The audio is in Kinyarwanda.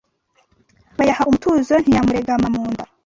Bayaha umutozo ntiyamuregama mu nda